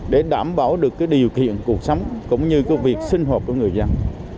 để đảm bảo được điều kiện cuộc sống cũng như việc sinh hồ của người dân